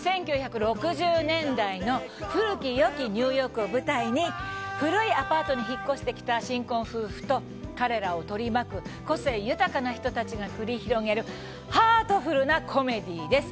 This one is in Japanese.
１９６０年代の古き良きニューヨークを舞台に古いアパートに引っ越してきた新婚夫婦と彼らを取り巻く個性豊かな人たちが繰り広げるハートフルなコメディーです。